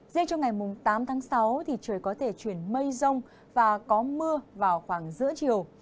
riêng trong ngày tám tháng sáu thì trời có thể chuyển mây rông và có mưa vào khoảng giữa chiều